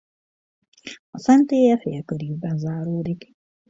Szentélye félkörívben záródik.